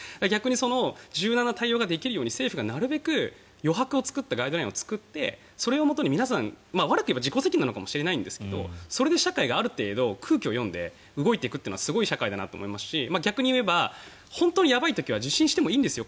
逆に柔軟な対応ができるように政府ががなるべく余白を作ったガイドラインを作って悪く言えば自己責任かもしれないですがそれで社会がある程度、空気を読んで動いていくのはすごい社会だと思いますし逆に言えば、本当にやばい時は受診してもいいんですよ